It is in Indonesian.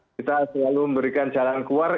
kita selalu memberikan jalan keluar